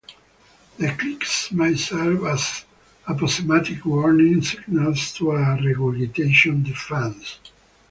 The clicks may serve as aposematic warning signals to a regurgitation defense.